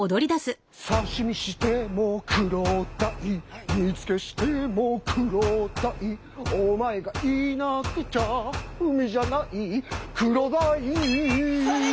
刺身してもクロダイ煮つけしてもクロダイお前がいなくちゃ海じゃないクロダイそれ